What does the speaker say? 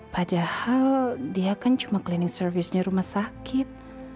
padahal dia kan cuma klinik servisnya rumah sakit